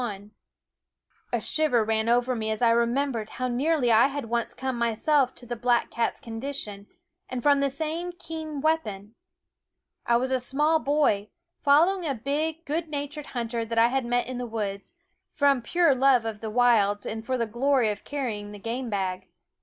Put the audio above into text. Quoskh /fie A shiver ran over me as I remembered Hfc^/fee/? Eyed how nearly I had once come myself to the black cat's condition, and from the same keen weapon. I was a small boy, following a big good natured hunter that I met in the woods, from pure love of the wilds and for the glory of carrying the game bag.